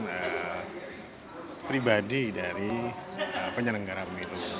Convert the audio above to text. kepentingan pribadi dari penyelenggara pemilu